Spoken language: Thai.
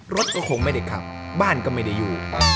รถก็คงไม่ได้ขับบ้านก็ไม่ได้อยู่